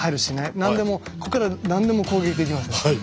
何でもこっから何でも攻撃できます。